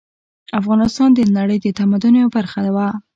افغانستان د نړۍ د تمدن یوه برخه وه